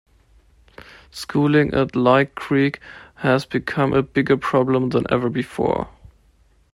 Schooling at Leigh Creek has become a bigger problem than ever before.